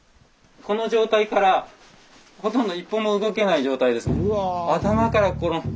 この状態からほとんど一歩も動けない状態ですね。